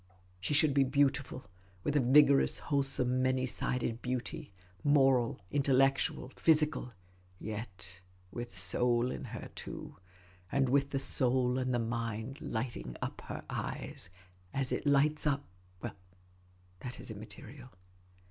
She should be beautiful, with a vigorous, wholesome, many sided beauty, moral, intellectual, physical ; yet with soul in her, too ; and with the soul and the mind lighting up her eyes, as it lights up — well, that is immaterial.